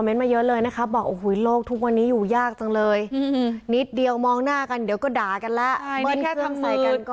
เมื่อนบ้างก็ยืนยันว่ามันเป็นแบบนั้นจริง